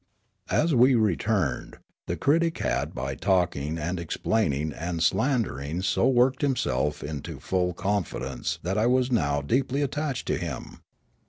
As we returned, the critic had by talking and ex plaining and slandering so worked himself into full con fidence that I was now deeply attached to him.